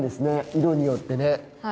色によってね。